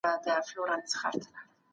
یو ځای بیزو خپه کېږي.